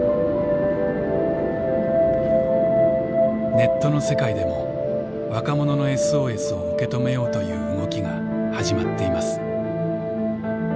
ネットの世界でも若者のＳＯＳを受け止めようという動きが始まっています。